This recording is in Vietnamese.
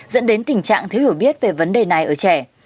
dẫn đến tình trạng thiếu hiểu biết về vấn đề này ở trẻ